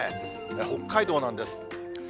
北海道なんです。